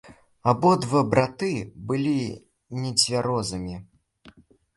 Абодва браты былі нецвярозымі.